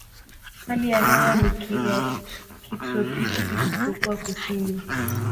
Hali ya hewa ni ya kitropiki isipokuwa kusini.